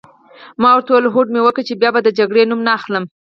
ما ورته وویل: هوډ مي وکړ چي بیا به د جګړې نوم نه اخلم.